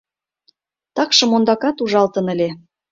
Такшым ондакат ужалтын ыле.